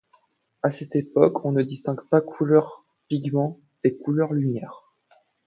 À cette époque on ne distingue pas couleurs-pigments, et couleurs-lumière.